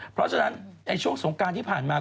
เพราะฉะนั้นในช่วงสงการที่ผ่านมา